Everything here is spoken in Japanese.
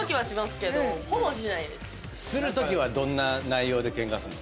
するときはどんな内容でケンカすんの？